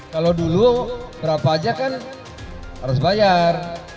kalau dulu berapa aja kan harus bayar